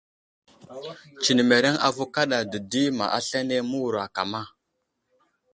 Tsenemereŋ avo kaɗa dedi ma aslane məwuro akama.